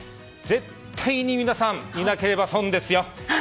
絶対に皆さん見なければ損ですよ！